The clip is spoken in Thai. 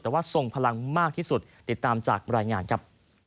แต่ว่าทรงพลังมากที่สุดติดตามจากรายงานครับ